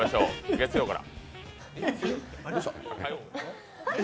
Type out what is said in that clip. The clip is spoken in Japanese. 月曜から。